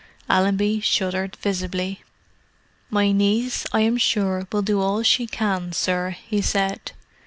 Allenby shuddered visibly. "My niece, I am sure, will do all she can, sir," he said.